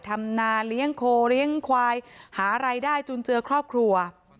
ทำนานเรียงโคเรียงไขวหารายได้จนเจอครอบครัว